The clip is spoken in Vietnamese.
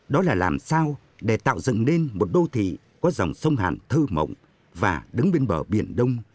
đó là làm sao để tạo dựng nên một đô thị có dòng sông hàn thơ mộng và đứng bên bờ biển đông